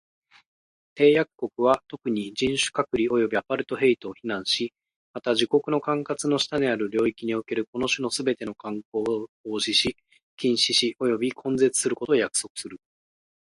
締約国は、特に、人種隔離及びアパルトヘイトを非難し、また、自国の管轄の下にある領域におけるこの種のすべての慣行を防止し、禁止し及び根絶することを約束する。